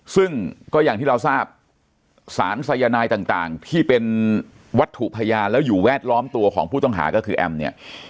ซึ่งก็อย่างที่เราทราบสารสายนายต่างที่เป็นวัตถุพยานแล้วอยู่แวดล้อมตัวของผู้ต้องหาก็คือแอมเนี่ย